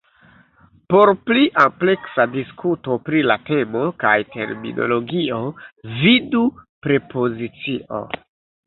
Por pli ampleksa diskuto pri la temo kaj terminologio, vidu "prepozicio".